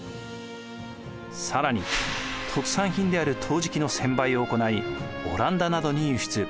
更に特産品である陶磁器の専売を行いオランダなどに輸出。